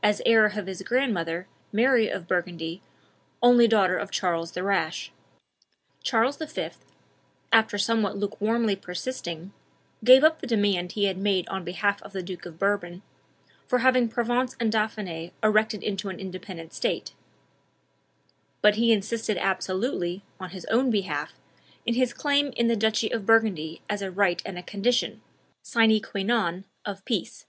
as heir of his grandmother, Mary of Burgundy, only daughter of Charles the Rash. Charles V., after somewhat lukewarmly persisting, gave up the demand he had made on behalf of the Duke of Bourbon, for having Provence and Dauphiny erected into an independent state; but he insisted absolutely, on his own behalf, in his claim to the duchy of Burgundy as a right and a condition, sine qua non, of peace.